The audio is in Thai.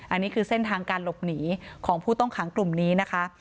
อันนี้คือเส้นทางการหลบหนีของผู้ต้องขังกลุ่มนี้นะคะ